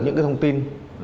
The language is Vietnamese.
những cái thông tin